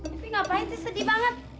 tapi apa yang kamu lakukan